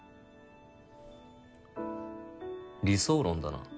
理想論だな。